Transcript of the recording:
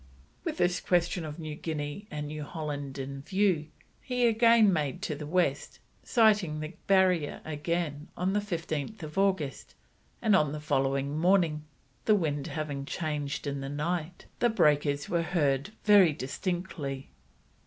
With this question of New Guinea and New Holland in view, he again made to the west, sighting the Barrier again on 15th August, and on the following morning, the wind having changed in the night, the breakers were heard very distinctly.